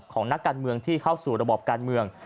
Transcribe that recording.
นักการเมืองที่เข้าสู่ระบอบการเมือง